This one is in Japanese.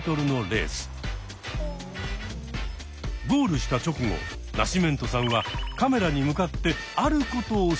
ゴールした直後ナシメントさんはカメラに向かってあることをします。